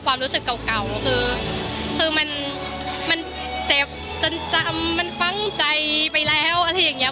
ความรู้สึกเก่าคือมันเจ็บจนจำมันฟังใจไปแล้วอะไรอย่างนี้